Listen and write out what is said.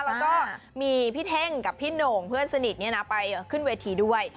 แล้วก็มีพี่เท่งกับพี่โหน่งเพื่อนสนิทไปขึ้นเวทีด้วย